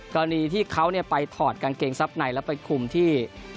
กรณีที่เขาไปถอดกางเกงซับไนและไปคุมที่